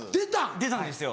出たんですよ